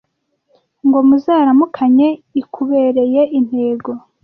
Ngo muzaramukanye. Ikubereye intego